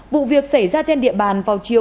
vụ việc xảy ra trên địa bàn vào chiều